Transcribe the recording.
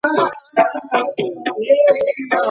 د ناروغ رضایت ولي اړین دی؟